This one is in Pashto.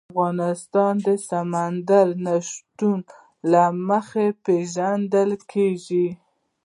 افغانستان د سمندر نه شتون له مخې پېژندل کېږي.